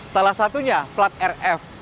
salah satunya plat rf